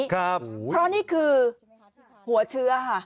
เพราะนี่คือหัวเชื้อค่ะ